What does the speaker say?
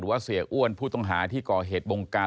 ว่าเสียอ้วนผู้ต้องหาที่ก่อเหตุบงการ